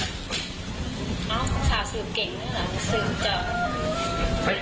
อ้าวสาวสืบเก่งน่ะนะสืบเจอ